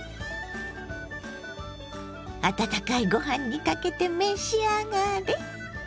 温かいご飯にかけて召し上がれ。